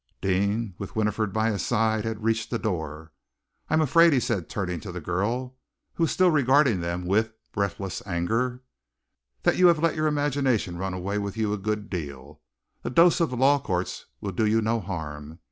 Deane, with Winifred by his side, had reached the door. "I am afraid," he said turning to the girl, who was still regarding them with breathless anger, "that you have let your imagination run away with you a good deal. A dose of the law courts will do you no harm.